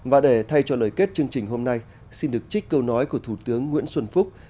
và để thay cho lời kết chương trình hôm nay xin được trích câu nói của thủ tướng nguyễn xuân phúc